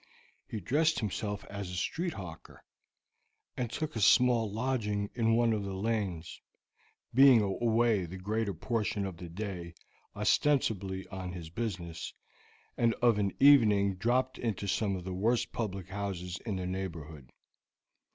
He dressed himself as a street hawker, and took a small lodging in one of the lanes, being away the greater portion of the day ostensibly on his business, and of an evening dropped into some of the worst public houses in the neighborhood.